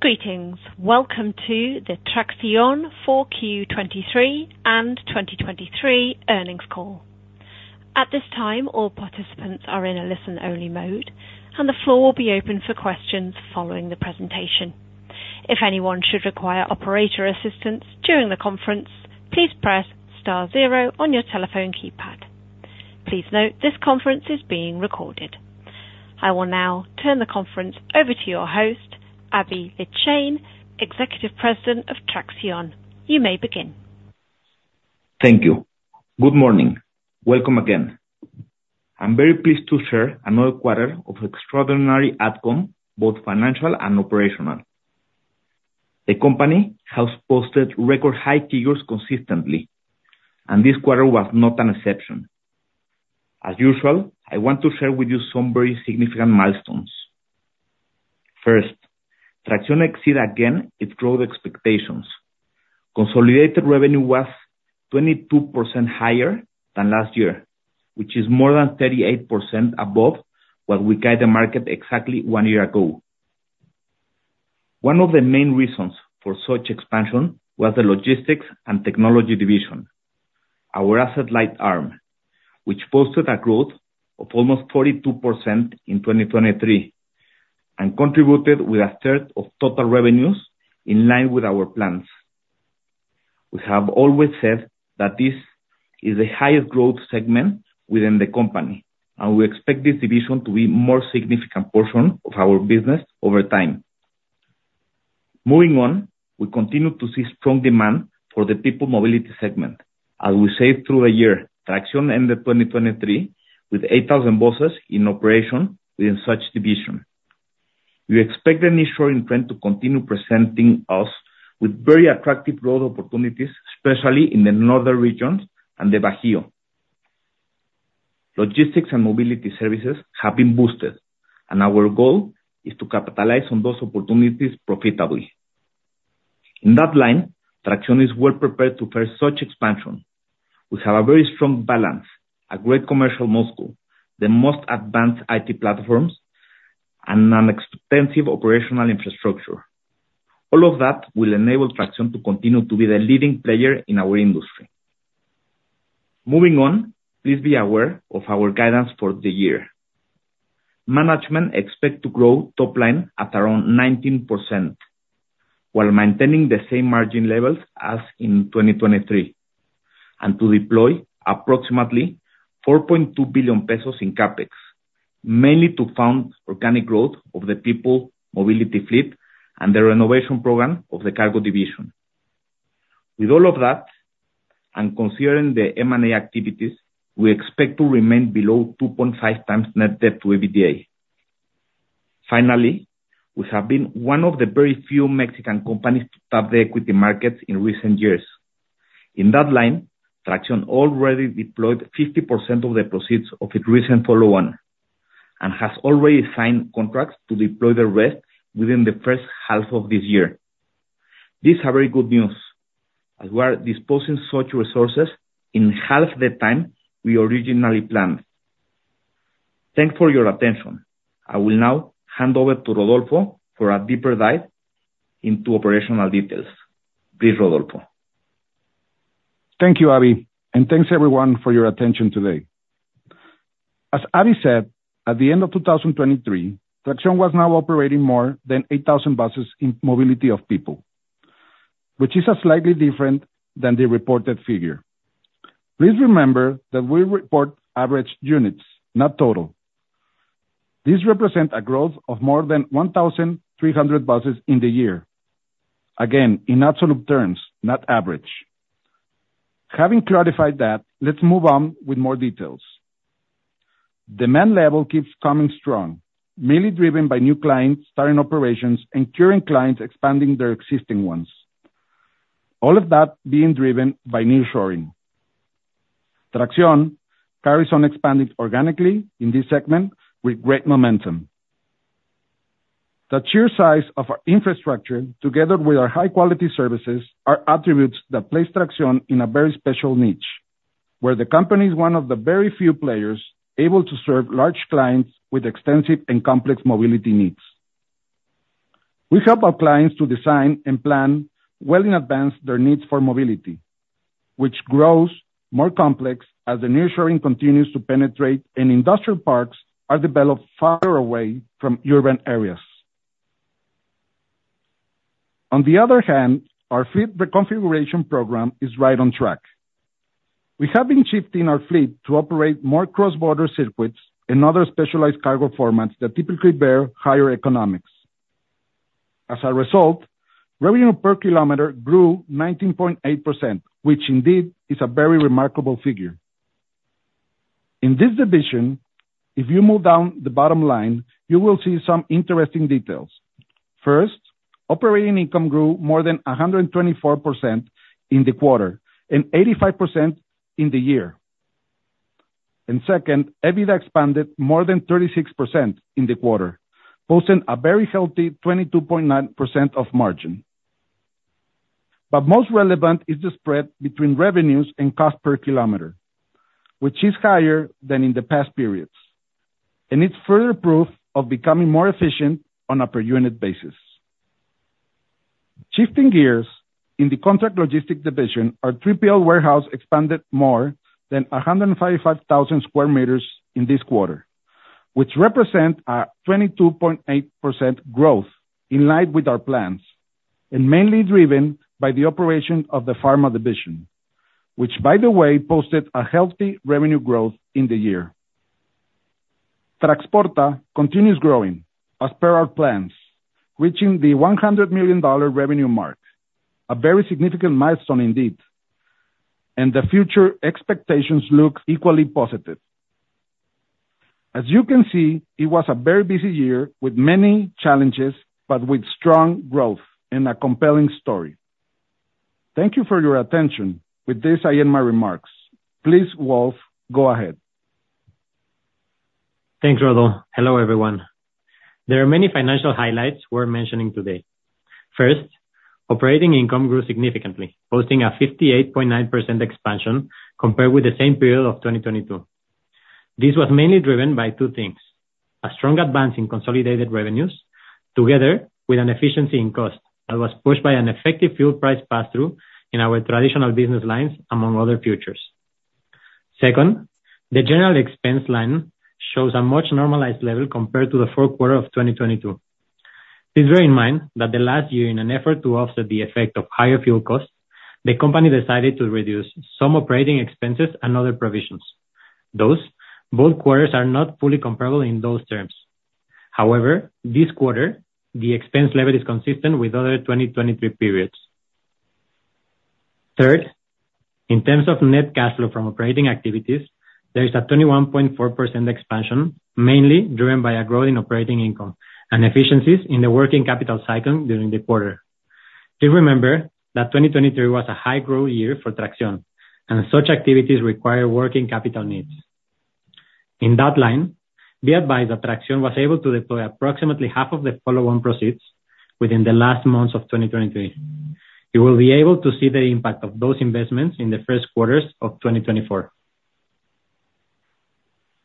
Greetings. Welcome to the TRAXIÓN 4Q23 and 2023 earnings call. At this time, all participants are in a listen-only mode, and the floor will be open for questions following the presentation. If anyone should require operator assistance during the conference, please press star zero on your telephone keypad. Please note, this conference is being recorded. I will now turn the conference over to your host, Aby Lijtszain, Executive President of TRAXIÓN. You may begin. Thank you. Good morning. Welcome again. I'm very pleased to share another quarter of extraordinary outcome, both financial and operational. The company has posted record-high figures consistently, and this quarter was not an exception. As usual, I want to share with you some very significant milestones. First, TRAXIÓN exceeded again its growth expectations. Consolidated revenue was 22% higher than last year, which is more than 38% above what we guided the market exactly one year ago. One of the main reasons for such expansion was the Logistics and Technology division, our asset-light arm, which posted a growth of almost 42% in 2023 and contributed with a third of total revenues in line with our plans. We have always said that this is the highest growth segment within the company, and we expect this division to be a more significant portion of our business over time. Moving on, we continue to see strong demand for the People Mobility segment, as we said through the year. TRAXIÓN ended 2023 with 8,000 buses in operation within such division. We expect the nearshoring trend to continue presenting us with very attractive growth opportunities, especially in the northern regions and the Bajío. Logistics and mobility services have been boosted, and our goal is to capitalize on those opportunities profitably. In that line, TRAXIÓN is well prepared to face such expansion. We have a very strong balance, a great commercial muscle, the most advanced IT platforms, and an extensive operational infrastructure. All of that will enable TRAXIÓN to continue to be the leading player in our industry. Moving on, please be aware of our guidance for the year. Management expects to grow top-line at around 19% while maintaining the same margin levels as in 2023, and to deploy approximately 4.2 billion pesos in CapEx, mainly to fund organic growth of the People Mobility fleet and the renovation program of the cargo division. With all of that and considering the M&A activities, we expect to remain below 2.5x net debt to EBITDA. Finally, we have been one of the very few Mexican companies to tap the equity markets in recent years. In that line, TRAXIÓN already deployed 50% of the proceeds of its recent follow-on and has already signed contracts to deploy the rest within the first half of this year. This is very good news, as we are disposing of such resources in half the time we originally planned. Thank you for your attention. I will now hand over to Rodolfo for a deeper dive into operational details. Please, Rodolfo. Thank you, Aby, and thanks everyone for your attention today. As Aby said, at the end of 2023, TRAXIÓN was now operating more than 8,000 buses in Mobility of People, which is slightly different than the reported figure. Please remember that we report average units, not total. This represents a growth of more than 1,300 buses in the year, again, in absolute terms, not average. Having clarified that, let's move on with more details. Demand level keeps coming strong, mainly driven by new clients starting operations and current clients expanding their existing ones, all of that being driven by nearshoring. TRAXIÓN carries on expanding organically in this segment with great momentum. The sheer size of our infrastructure, together with our high-quality services, are attributes that place TRAXIÓN in a very special niche, where the company is one of the very few players able to serve large clients with extensive and complex mobility needs. We help our clients to design and plan well in advance their needs for mobility, which grows more complex as the nearshoring continues to penetrate and industrial parks are developed farther away from urban areas. On the other hand, our fleet reconfiguration program is right on track. We have been shifting our fleet to operate more cross-border circuits and other specialized cargo formats that typically bear higher economics. As a result, revenue per kilometer grew 19.8%, which indeed is a very remarkable figure. In this division, if you move down the bottom line, you will see some interesting details. First, operating income grew more than 124% in the quarter and 85% in the year. Second, EBITDA expanded more than 36% in the quarter, posting a very healthy 22.9% of margin. But most relevant is the spread between revenues and cost per kilometer, which is higher than in the past periods, and it's further proof of becoming more efficient on a per-unit basis. Shifting gears, in the Contract Logistics division, our 3PL warehouse expanded more than 155,000 square meters in this quarter, which represents a 22.8% growth in line with our plans and mainly driven by the operation of the pharma division, which, by the way, posted a healthy revenue growth in the year. Traxporta continues growing as per our plans, reaching the $100 million revenue mark, a very significant milestone indeed, and the future expectations look equally positive. As you can see, it was a very busy year with many challenges but with strong growth and a compelling story. Thank you for your attention. With this, I end my remarks. Please, Wolf, go ahead. Thanks, Rodolfo. Hello, everyone. There are many financial highlights worth mentioning today. First, operating income grew significantly, posting a 58.9% expansion compared with the same period of 2022. This was mainly driven by two things: a strong advance in consolidated revenues, together with an efficiency in cost that was pushed by an effective fuel price pass-through in our traditional business lines, among other factors. Second, the general expense line shows a much normalized level compared to the fourth quarter of 2022. Please bear in mind that the last year, in an effort to offset the effect of higher fuel costs, the company decided to reduce some operating expenses and other provisions. Those both quarters are not fully comparable in those terms. However, this quarter, the expense level is consistent with other 2023 periods. Third, in terms of net cash flow from operating activities, there is a 21.4% expansion, mainly driven by a growth in operating income and efficiencies in the working capital cycle during the quarter. Please remember that 2023 was a high-growth year for TRAXIÓN, and such activities require working capital needs. In that line, be advised that TRAXIÓN was able to deploy approximately half of the follow-on proceeds within the last months of 2023. You will be able to see the impact of those investments in the first quarters of 2024.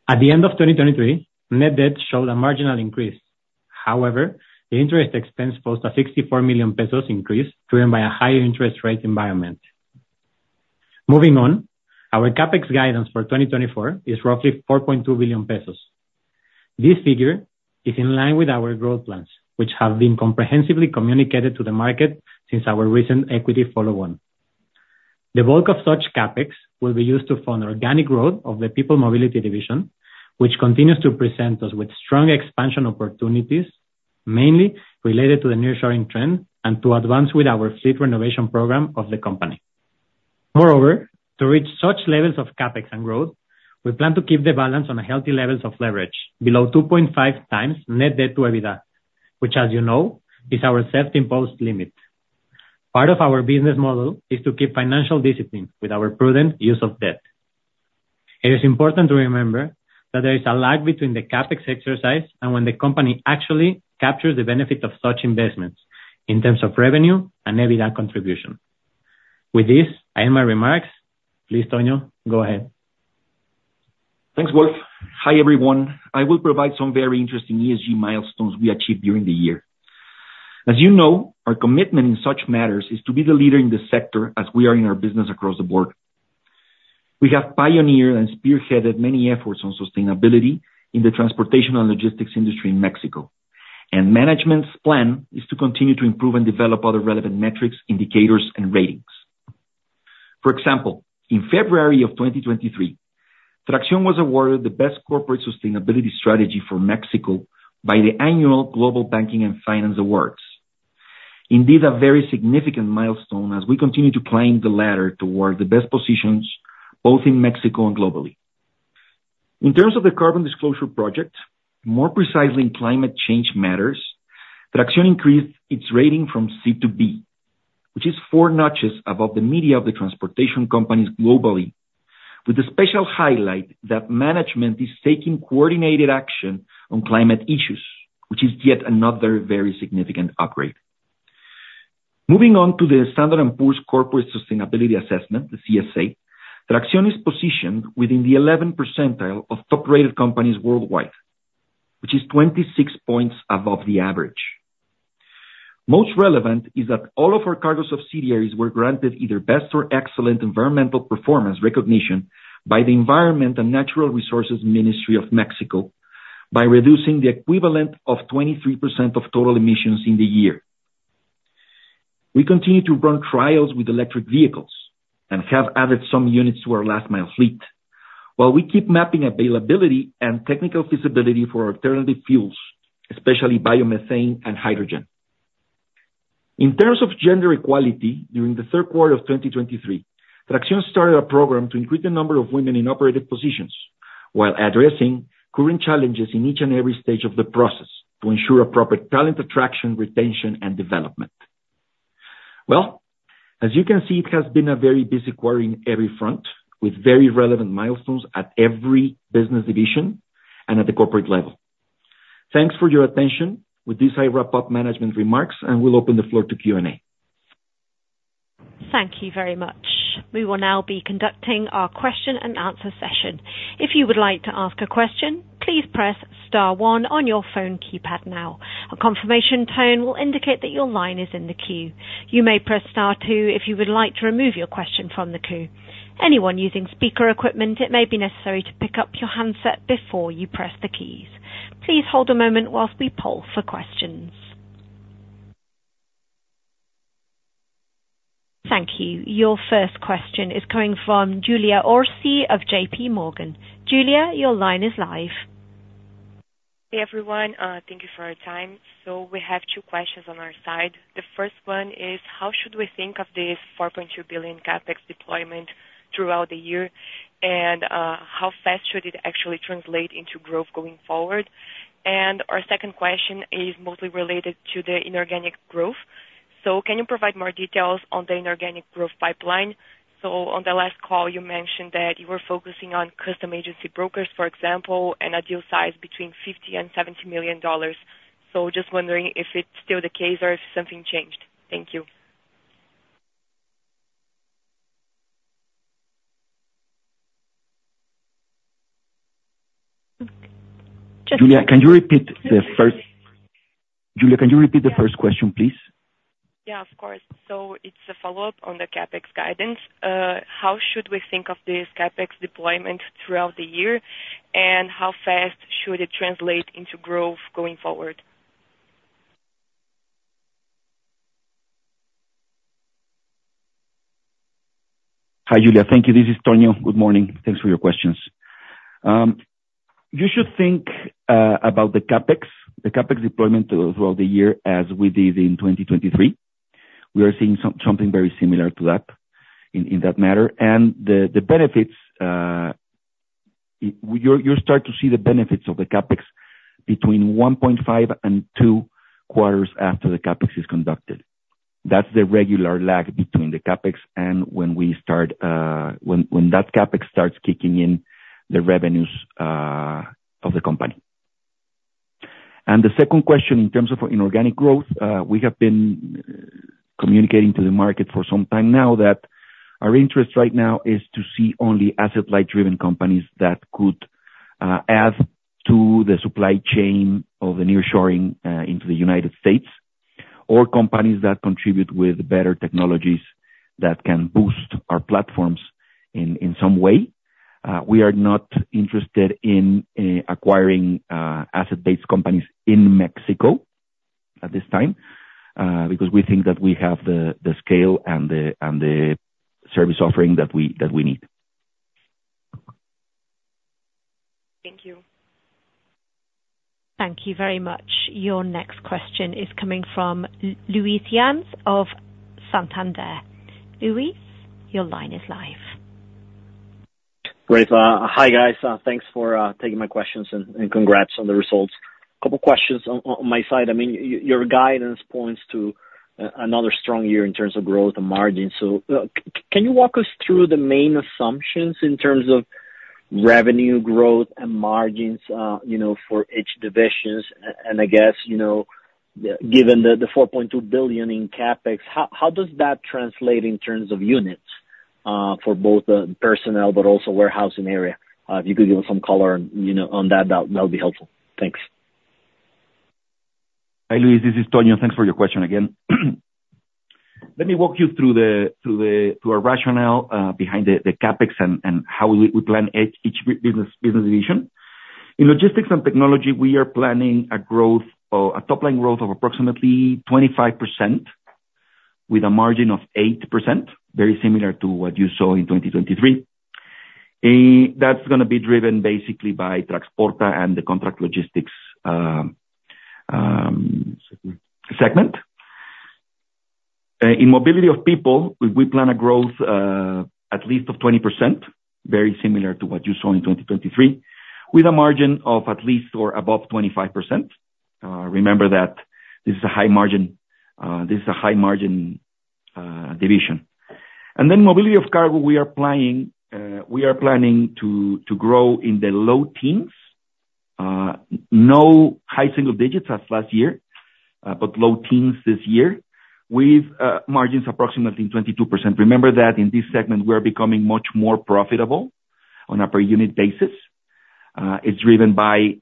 At the end of 2023, net debt showed a marginal increase. However, the interest expense posted a 64 million pesos increase driven by a higher interest rate environment. Moving on, our CapEx guidance for 2024 is roughly 4.2 billion pesos. This figure is in line with our growth plans, which have been comprehensively communicated to the market since our recent equity follow-on. The bulk of such CapEx will be used to fund organic growth of the People Mobility division, which continues to present us with strong expansion opportunities, mainly related to the nearshoring trend and to advance with our fleet renovation program of the company. Moreover, to reach such levels of CapEx and growth, we plan to keep the balance on healthy levels of leverage below 2.5x net debt to EBITDA, which, as you know, is our self-imposed limit. Part of our business model is to keep financial discipline with our prudent use of debt. It is important to remember that there is a lag between the CapEx exercise and when the company actually captures the benefit of such investments in terms of revenue and EBITDA contribution. With this, I end my remarks. Please, Tonio, go ahead. Thanks, Wolf. Hi, everyone. I will provide some very interesting ESG milestones we achieved during the year. As you know, our commitment in such matters is to be the leader in the sector as we are in our business across the board. We have pioneered and spearheaded many efforts on sustainability in the transportation and logistics industry in Mexico, and management's plan is to continue to improve and develop other relevant metrics, indicators, and ratings. For example, in February of 2023, TRAXIÓN was awarded the best corporate sustainability strategy for Mexico by the annual Global Banking and Finance Awards. Indeed, a very significant milestone as we continue to climb the ladder toward the best positions both in Mexico and globally. In terms of the Carbon Disclosure Project, more precisely, in climate change matters, TRAXIÓN increased its rating from C to B, which is four notches above the median of the transportation companies globally, with a special highlight that management is taking coordinated action on climate issues, which is yet another very significant upgrade. Moving on to the S&P Global's Corporate Sustainability Assessment, the CSA, TRAXIÓN is positioned within the 11th percentile of top-rated companies worldwide, which is 26 points above the average. Most relevant is that all of our cargo subsidiaries were granted either best or excellent environmental performance recognition by the Environment and Natural Resources Ministry of Mexico by reducing the equivalent of 23% of total emissions in the year. We continue to run trials with electric vehicles and have added some units to our last-mile fleet while we keep mapping availability and technical feasibility for alternative fuels, especially biomethane and hydrogen. In terms of gender equality, during the third quarter of 2023, TRAXIÓN started a program to increase the number of women in operative positions while addressing current challenges in each and every stage of the process to ensure appropriate talent attraction, retention, and development. Well, as you can see, it has been a very busy quarter in every front, with very relevant milestones at every business division and at the corporate level. Thanks for your attention. With this, I wrap up management remarks, and we'll open the floor to Q&A. Thank you very much. We will now be conducting our question-and-answer session. If you would like to ask a question, please press star one on your phone keypad now. A confirmation tone will indicate that your line is in the queue. You may press star two if you would like to remove your question from the queue. Anyone using speaker equipment, it may be necessary to pick up your handset before you press the keys. Please hold a moment while we poll for questions. Thank you. Your first question is coming from Julia Orsi of JPMorgan. Julia, your line is live. Hey, everyone. Thank you for your time. So we have two questions on our side. The first one is, how should we think of this 4.2 billion CapEx deployment throughout the year, and how fast should it actually translate into growth going forward? And our second question is mostly related to the inorganic growth. So can you provide more details on the inorganic growth pipeline? So on the last call, you mentioned that you were focusing on customs agency brokers, for example, and a deal size between $50 million-$70 million. So just wondering if it's still the case or if something changed. Thank you. Julia, can you repeat the first question, please? Yeah, of course. It's a follow-up on the CapEx guidance. How should we think of this CapEx deployment throughout the year, and how fast should it translate into growth going forward? Hi, Julia. Thank you. This is Tonio. Good morning. Thanks for your questions. You should think about the CapEx deployment throughout the year as we did in 2023. We are seeing something very similar to that in that matter. The benefits you'll start to see the benefits of the CapEx between 1.5-2 quarters after the CapEx is conducted. That's the regular lag between the CapEx and when that CapEx starts kicking in the revenues of the company. The second question, in terms of inorganic growth, we have been communicating to the market for some time now that our interest right now is to see only asset-light driven companies that could add to the supply chain of the nearshoring into the United States or companies that contribute with better technologies that can boost our platforms in some way. We are not interested in acquiring asset-based companies in Mexico at this time because we think that we have the scale and the service offering that we need. Thank you. Thank you very much. Your next question is coming from Luis Yance of Santander. Luis, your line is live. Great. Hi, guys. Thanks for taking my questions and congrats on the results. A couple of questions on my side. I mean, your guidance points to another strong year in terms of growth and margins. So can you walk us through the main assumptions in terms of revenue growth and margins for each divisions? And I guess, given the 4.2 billion in CapEx, how does that translate in terms of units for both personnel but also warehousing area? If you could give us some color on that, that would be helpful. Thanks. Hi, Luis. This is Tonio. Thanks for your question again. Let me walk you through our rationale behind the CapEx and how we plan each business division. In logistics and technology, we are planning a growth of a top-line growth of approximately 25% with a margin of 8%, very similar to what you saw in 2023. That's going to be driven basically by Traxporta and the Contract Logistics segment. In Mobility of People, we plan a growth at least of 20%, very similar to what you saw in 2023, with a margin of at least or above 25%. Remember that this is a high margin this is a high margin division. And then Mobility of Cargo, we are planning to grow in the low teens. No high single digits as last year, but low teens this year with margins approximately 22%. Remember that in this segment, we are becoming much more profitable on a per-unit basis. It's driven by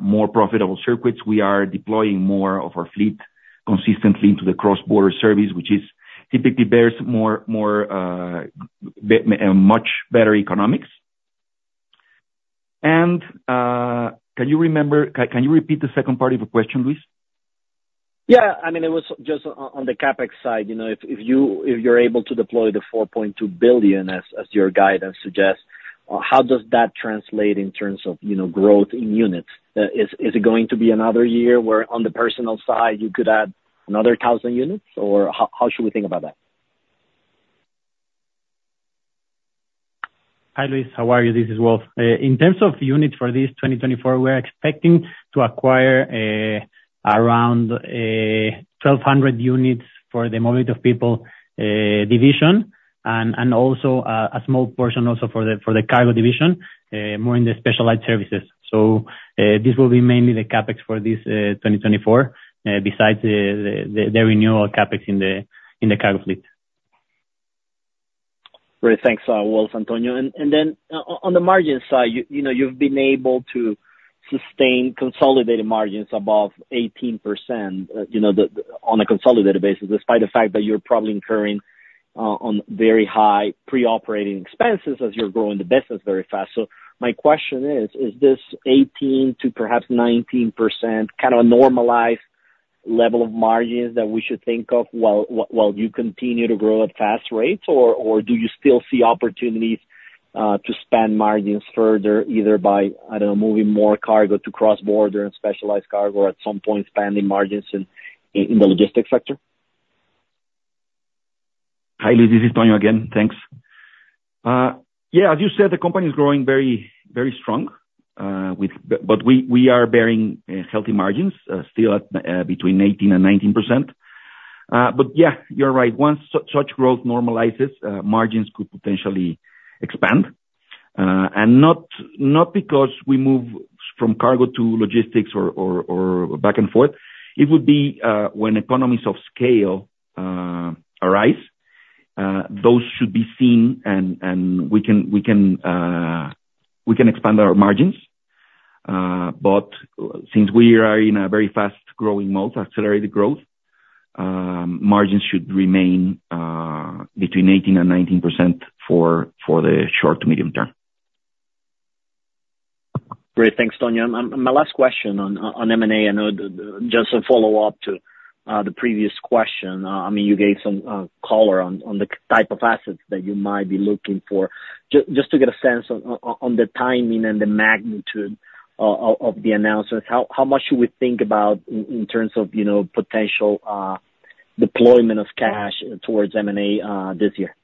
more profitable circuits. We are deploying more of our fleet consistently into the cross-border service, which typically bears much better economics. Can you repeat the second part of your question, Luis? Yeah. I mean, it was just on the CapEx side. If you're able to deploy the 4.2 billion, as your guidance suggests, how does that translate in terms of growth in units? Is it going to be another year where on the personnel side, you could add another 1,000 units? Or how should we think about that? Hi, Luis. How are you? This is Wolf. In terms of units for this 2024, we are expecting to acquire around 1,200 units for the Mobility of People division and also a small portion also for the cargo division, more in the specialized services. So this will be mainly the CapEx for this 2024 besides the renewal CapEx in the cargo fleet. Great. Thanks, Wolf and Tonio. And then on the margin side, you've been able to sustain consolidated margins above 18% on a consolidated basis despite the fact that you're probably incurring very high pre-operating expenses as you're growing the business very fast. So my question is, is this 18% to perhaps 19% kind of a normalized level of margins that we should think of while you continue to grow at fast rates? Or do you still see opportunities to spend margins further either by, I don't know, moving more cargo to cross-border and specialized cargo or at some point spending margins in the logistics sector? Hi, Luis. This is Tonio again. Thanks. Yeah, as you said, the company is growing very strong, but we are bearing healthy margins still between 18% and 19%. But yeah, you're right. Once such growth normalizes, margins could potentially expand. And not because we move from cargo to logistics or back and forth. It would be when economies of scale arise. Those should be seen, and we can expand our margins. But since we are in a very fast-growing mode, accelerated growth, margins should remain between 18% and 19% for the short to medium term. Great. Thanks, Tonio. My last question on M&A, I know just a follow-up to the previous question. I mean, you gave some color on the type of assets that you might be looking for. Just to get a sense on the timing and the magnitude of the announcements, how much should we think about in terms of potential deployment of cash towards M&A this year?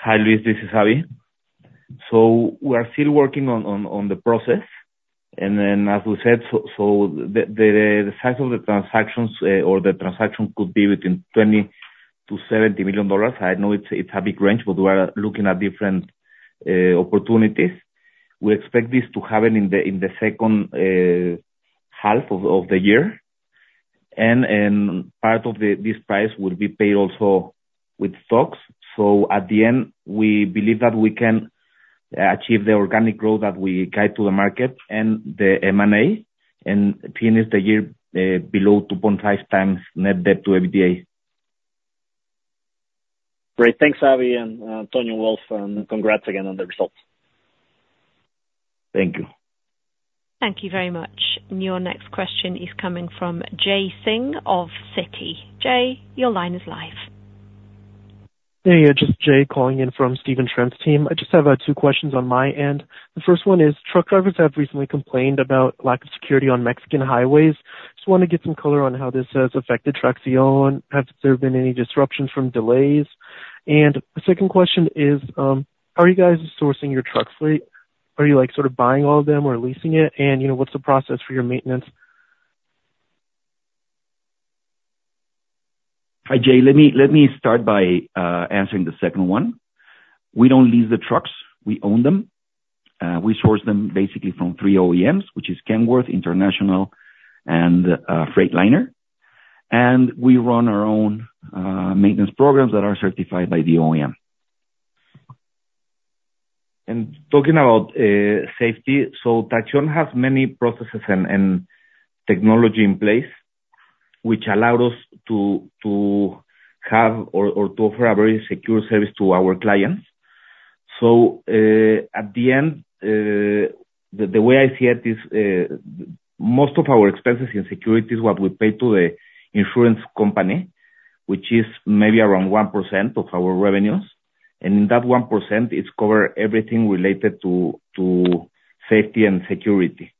Hi, Luis. This is Aby. So we are still working on the process. And then, as we said, so the size of the transactions or the transaction could be between $20 million-$70 million. I know it's a big range, but we are looking at different opportunities. We expect this to happen in the second half of the year. And part of this price will be paid also with stocks. So at the end, we believe that we can achieve the organic growth that we guide to the market and the M&A and finish the year below 2.5x net debt to EBITDA. Great. Thanks, Aby and Tonio, Wolf, and congrats again on the results. Thank you. Thank you very much. Your next question is coming from Jay Singh of Citi. Jay, your line is live. Hey, yeah, just Jay calling in from Steven Trent's team. I just have two questions on my end. The first one is, truck drivers have recently complained about lack of security on Mexican highways. Just want to get some color on how this has affected TRAXIÓN. Have there been any disruptions from delays? And the second question is, how are you guys sourcing your truck fleet? Are you sort of buying all of them or leasing it? And what's the process for your maintenance? Hi, Jay. Let me start by answering the second one. We don't lease the trucks. We own them. We source them basically from three OEMs, which is Kenworth, International, and Freightliner. We run our own maintenance programs that are certified by the OEM. Talking about safety, TRAXIÓN has many processes and technology in place, which allowed us to have or to offer a very secure service to our clients. So at the end, the way I see it is most of our expenses in security is what we pay to the insurance company, which is maybe around 1% of our revenues. And in that 1%, it's covered everything related to safety and security.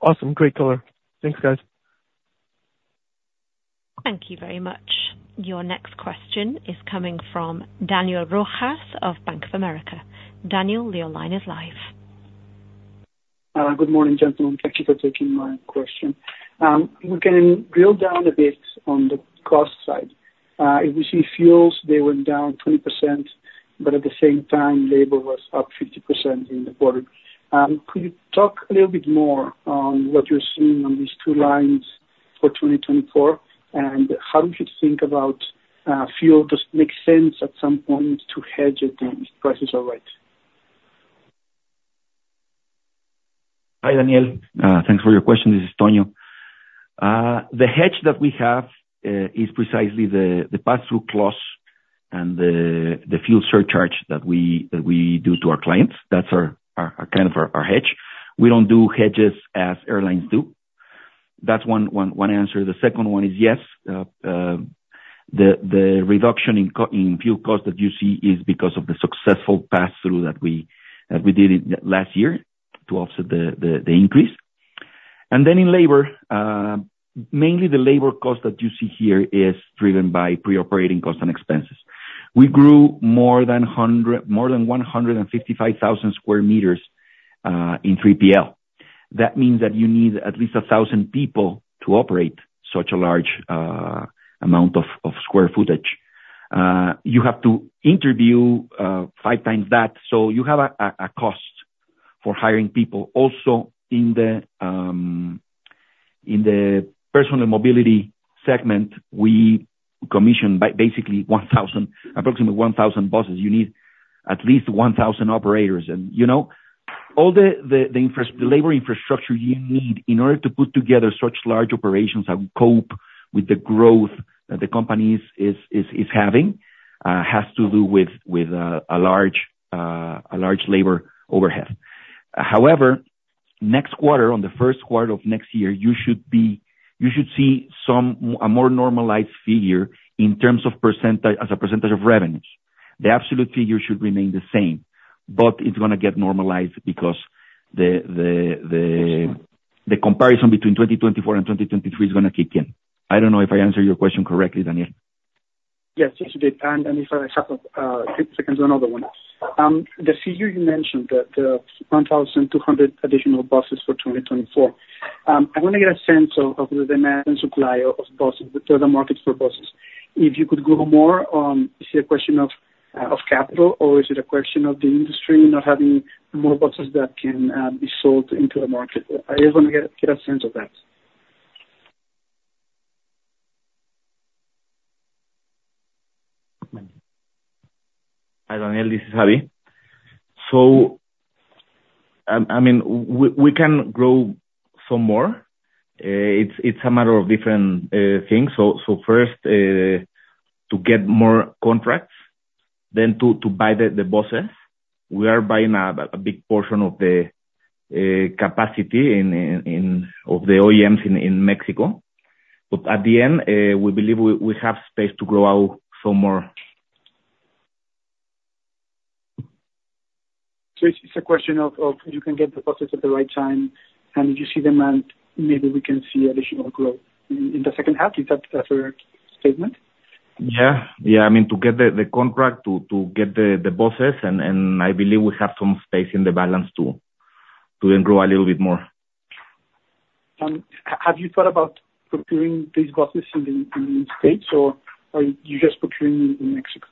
Awesome. Great color. Thanks, guys. Thank you very much. Your next question is coming from Daniel Rojas of Bank of America. Daniel, your line is live. Good morning, gentlemen. Thank you for taking my question. We can drill down a bit on the cost side. If we see fuels, they went down 20%, but at the same time, labor was up 50% in the quarter. Could you talk a little bit more on what you're seeing on these two lines for 2024, and how do you think about fuel? Does it make sense at some point to hedge if prices are right? Hi, Daniel. Thanks for your question. This is Tonio. The hedge that we have is precisely the pass-through clause and the fuel surcharge that we do to our clients. That's kind of our hedge. We don't do hedges as airlines do. That's one answer. The second one is yes. The reduction in fuel cost that you see is because of the successful pass-through that we did last year to offset the increase. And then in labor, mainly the labor cost that you see here is driven by pre-operating cost and expenses. We grew more than 155,000 square meters in 3PL. That means that you need at least 1,000 people to operate such a large amount of square footage. You have to interview 5x that. So you have a cost for hiring people. Also, in the Personnel Mobility segment, we commission basically approximately 1,000 buses. You need at least 1,000 operators. And all the labor infrastructure you need in order to put together such large operations and cope with the growth that the company is having has to do with a large labor overhead. However, next quarter, in the first quarter of next year, you should see a more normalized figure in terms of percentage as a percentage of revenues. The absolute figure should remain the same, but it's going to get normalized because the comparison between 2024 and 2023 is going to kick in. I don't know if I answered your question correctly, Daniel. Yes, yes, you did. And if I have a few seconds, another one. The figure you mentioned, the 1,200 additional buses for 2024, I want to get a sense of the demand and supply of buses, the market for buses. If you could go more on, is it a question of capital, or is it a question of the industry not having more buses that can be sold into the market? I just want to get a sense of that. Hi, Daniel. This is Aby. So I mean, we can grow some more. It's a matter of different things. So first, to get more contracts than to buy the buses, we are buying a big portion of the capacity of the OEMs in Mexico. But at the end, we believe we have space to grow out some more. It's a question of you can get the buses at the right time, and if you see demand, maybe we can see additional growth in the second half. Is that your statement? Yeah. Yeah. I mean, to get the contract, to get the buses, and I believe we have some space in the balance too, to then grow a little bit more. Have you thought about procuring these buses in the United States, or are you just procuring in Mexico?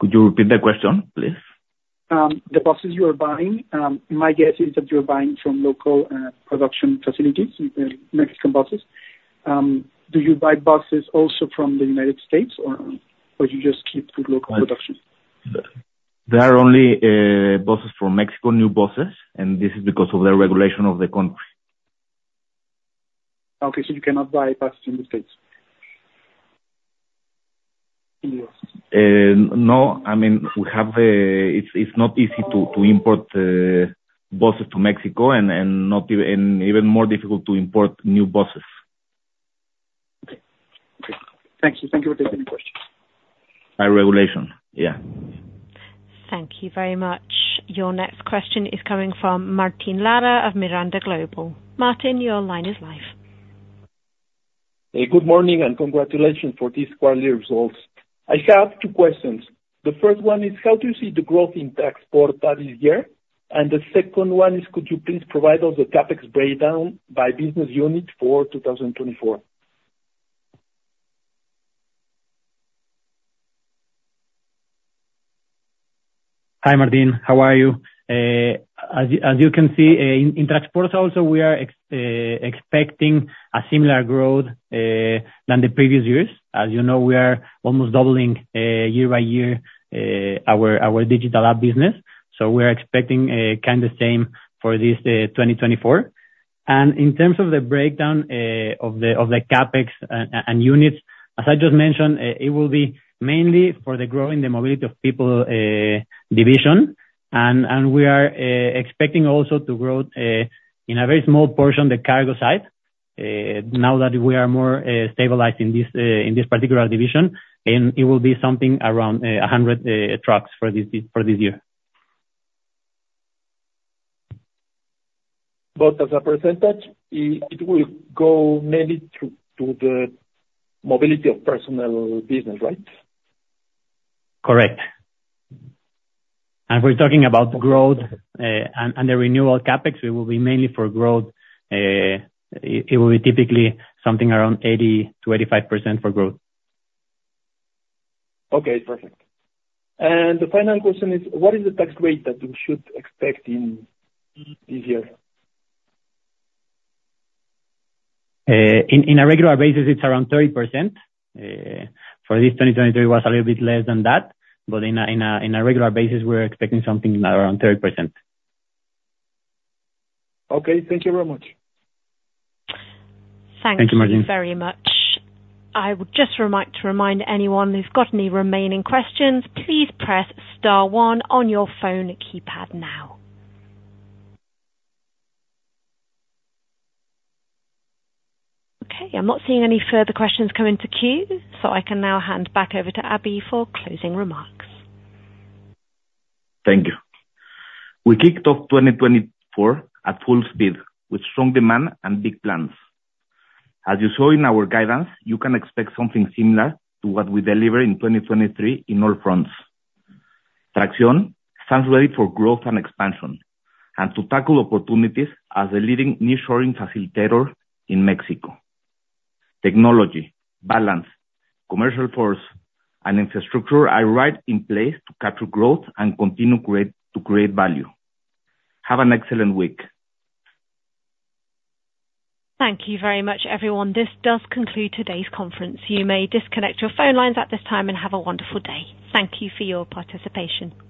Could you repeat the question, please? The buses you are buying, my guess is that you are buying from local production facilities, Mexican buses. Do you buy buses also from the United States, or you just keep with local production? There are only buses from Mexico, new buses, and this is because of the regulation of the country. Okay. So you cannot buy buses in the States? No. I mean, it's not easy to import buses to Mexico and even more difficult to import new buses. Okay. Okay. Thank you. Thank you for taking the question. By regulation. Yeah. Thank you very much. Your next question is coming from Martin Lara of Miranda Global. Martin, your line is live. Hey, good morning and congratulations for this quarterly results. I have two questions. The first one is, how do you see the growth in Traxporta this year? And the second one is, could you please provide us the CapEx breakdown by business unit for 2024? Hi, Martin. How are you? As you can see, in Traxporta also, we are expecting a similar growth than the previous years. As you know, we are almost doubling year by year our digital app business. So we are expecting kind of the same for this 2024. And in terms of the breakdown of the CapEx and units, as I just mentioned, it will be mainly for the growing the Mobility of People division. And we are expecting also to grow in a very small portion the cargo side now that we are more stabilized in this particular division. And it will be something around 100 trucks for this year. But as a percentage, it will go mainly to the Mobility of Personnel business, right? Correct. If we're talking about growth and the renewal CapEx, it will be mainly for growth. It will be typically something around 80%-85% for growth. Okay. Perfect. And the final question is, what is the tax rate that you should expect in this year? In a regular basis, it's around 30%. For this 2023, it was a little bit less than that. But in a regular basis, we're expecting something around 30%. Okay. Thank you very much. Thank you, Martin. Thank you, Martin. Very much. I would just remind anyone who's got any remaining questions, please press star 1 on your phone keypad now. Okay. I'm not seeing any further questions come into queue, so I can now hand back over to Aby for closing remarks. Thank you. We kicked off 2024 at full speed with strong demand and big plans. As you saw in our guidance, you can expect something similar to what we deliver in 2023 in all fronts. TRAXIÓN stands ready for growth and expansion and to tackle opportunities as a leading nearshoring facilitator in Mexico. Technology, balance, commercial force, and infrastructure are right in place to capture growth and continue to create value. Have an excellent week. Thank you very much, everyone. This does conclude today's conference. You may disconnect your phone lines at this time and have a wonderful day. Thank you for your participation.